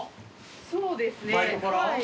そうですねはい。